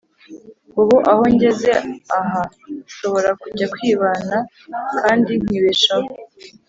Ubu aho ngeze aha shobora kujya kwibana kandi nkibeshaho